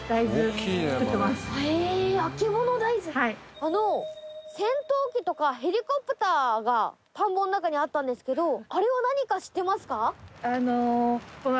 あの戦闘機とかヘリコプターが田んぼの中にあったんですけどあれは何か知ってますか？